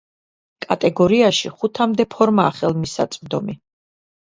კატეგორიაში ხუთამდე ფორმაა ხელმისაწვდომი.